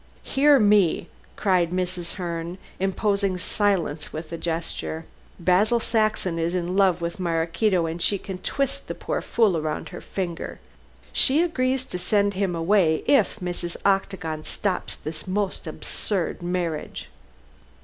"Hear me!" cried Mrs. Herne, imposing silence with a gesture. "Basil Saxon is in love with Maraquito and she can twist the poor fool round her finger. She agrees to send him away if Mrs. Octagon stops this most absurd marriage."